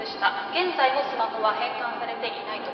現在もスマホは返還されていないと。